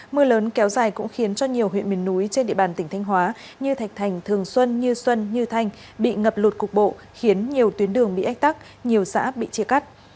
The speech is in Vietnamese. mưa lớn kéo dài cũng khiến cho nhiều huyện miền núi trên địa bàn tỉnh thanh hóa như thạch thành thường xuân như xuân như thanh bị ngập lụt cục bộ khiến nhiều tuyến đường bị ách tắc nhiều xã bị chia cắt